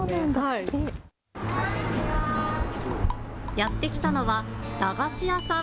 やって来たのは駄菓子屋さん。